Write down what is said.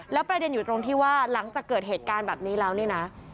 แล้วประเด็นอยู่ตรงที่ว่าหลังจากเกิดเหตุการณ์แบบนี้แล้วนี่นะ